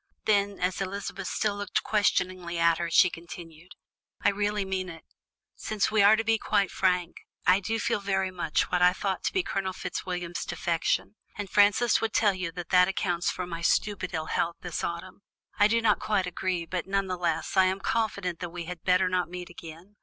Then, as Elizabeth still looked questioningly at her, she continued: "I really mean it. Since we are to be quite frank, I did feel very much what I thought to be Colonel Fitzwilliam's defection, and Frances would tell you that that accounts for my stupid ill health this autumn; I do not quite agree, but none the less, I am confident that we had better not meet again.